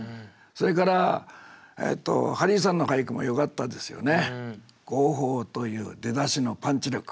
それからハリーさんの俳句もよかったですよね。